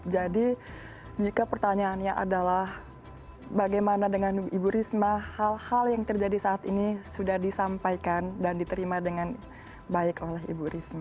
jadi pertanyaannya adalah bagaimana dengan ibu risma hal hal yang terjadi saat ini sudah disampaikan dan diterima dengan baik oleh ibu risma